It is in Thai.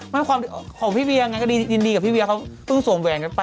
ของพี่เวียไงก็ยินดีกับพี่เวียเขาเพิ่งสวมแหวนกันไป